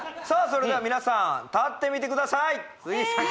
それでは皆さん立ってみてください杉崎さん